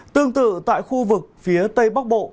tương tự tại khu vực phía tây bắc bộ